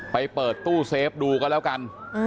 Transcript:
ไปเปิดตู้เซฟดูก็แล้วกัน